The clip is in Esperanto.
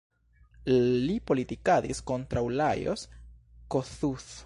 Li politikadis kontraŭ Lajos Kossuth.